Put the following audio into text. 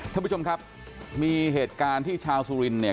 ท่านผู้ชมครับมีเหตุการณ์ที่ชาวสุรินเนี่ย